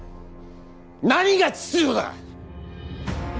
何が秩序だ！